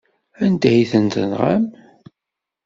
Anda ay tent-tenɣam?